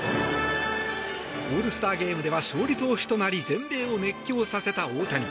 オールスターゲームでは勝利投手となり全米を熱狂させた大谷。